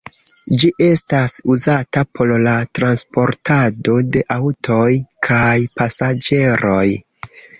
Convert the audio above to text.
Ĝi estas uzata por la transportado de aŭtoj kaj pasaĝeroj.